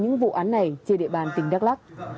những vụ án này trên địa bàn tỉnh đắk lắc